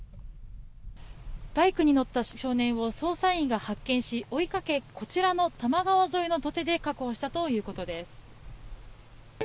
バイクに乗った少年を捜査員が発見し追いかけこちらの多摩川沿いの土手で確保したということです。